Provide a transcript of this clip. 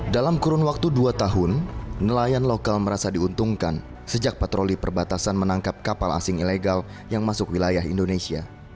dalam kurun waktu dua tahun nelayan lokal merasa diuntungkan sejak patroli perbatasan menangkap kapal asing ilegal yang masuk wilayah indonesia